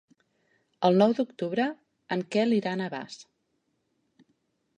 El nou d'octubre en Quel irà a Navàs.